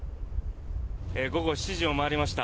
午後７時を回りました。